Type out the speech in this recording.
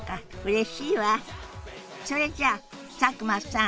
それじゃ佐久間さん。